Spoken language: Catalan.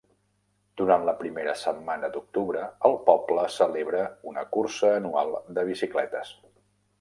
Durant la primera setmana d'octubre, el poble celebra una cursa anual de bicicletes.